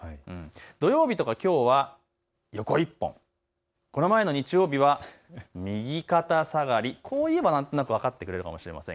土曜日とかきょうは横１本、この前の日曜日は右肩下がり、こう言えば何となく分かってくれるかもしれません。